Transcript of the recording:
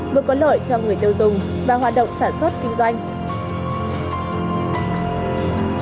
vừa có lợi cho người tiêu dùng và hoạt động sản xuất kinh doanh